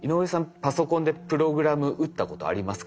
パソコンでプログラム打ったことありますか？